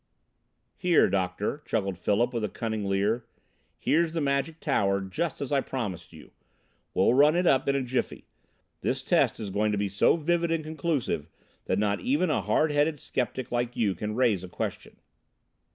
"Well, Doctor," chuckled Philip with a cunning leer, "here's the magic tower, just as I promised you. We'll run it up in a jiffy. This test is going to be so vivid and conclusive that not even a hard headed skeptic like you can raise a question."